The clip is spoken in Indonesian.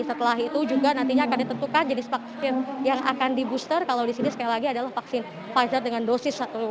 setelah itu juga nantinya akan ditentukan jenis vaksin yang akan di booster kalau di sini sekali lagi adalah vaksin pfizer dengan dosis satu dua